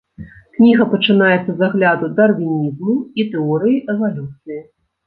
Кніга пачынаецца з агляду дарвінізму і тэорыі эвалюцыі.